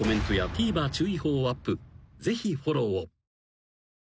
ぜひフォローを］